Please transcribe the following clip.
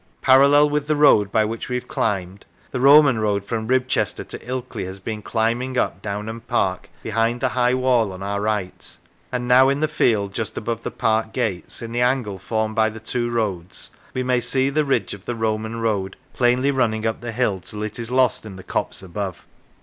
Parallel with the road by which we have climbed, the Roman road from Ribchester to Ilkley has been climbing up Downham Park behind the high wall on our right, and now, in the field just above the park gates, in the angle formed by the two roads, we may see the ridge of the Roman road plainly running up the hill till it is lost in the copse above.